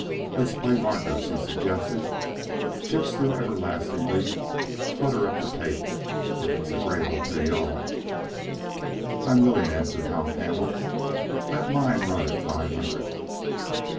"Let's play markers," he suggested. "Chips do everlastingly clutter up the table....If it's agreeable to you all?" "I'm willing," answered Hal Campbell. "Let mine run at five hundred."